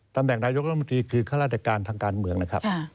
ตำแหน่งนายกรัฐมนตรีคือข้าราชการทางการเมืองนะครับ